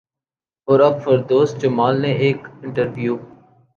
اور اب فردوس جمال نے ایک انٹرویو